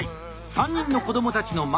３人の子どもたちのママ。